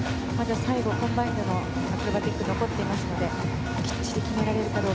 最後、コンバインドのアクロバティックが残っていますのできっちり決められるか。